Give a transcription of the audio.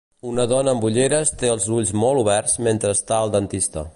Una dona amb ulleres té els ulls molt oberts mentre està al dentista.